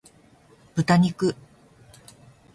豚肉